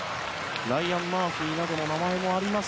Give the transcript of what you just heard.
ライアン・マーフィーなどの名前もあります。